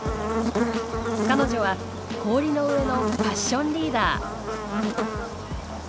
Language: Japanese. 彼女は氷の上のファッションリーダー。